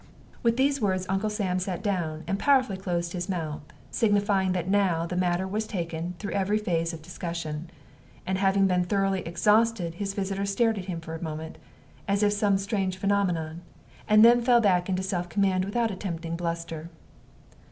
With these words Uncle Sam sat down, and powerfully closed his mouth, signifying that now the matter was taken through every phase of discussion, and had been thoroughly exhausted. His visitor stared at him for a moment, as if at some strange phenomenon, and then fell back into self command, without attempting bluster.